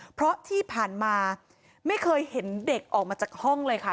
เพราะที่ผ่านมาไม่เคยเห็นเด็กออกมาจากห้องเลยค่ะ